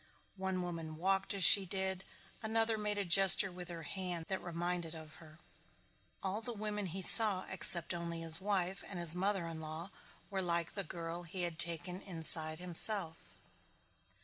One woman walked as she did, another made a gesture with her hand that reminded of her. All the women he saw except only his wife and his mother in law were like the girl he had taken inside himself.